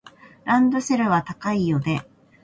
ランドセルは高いよね。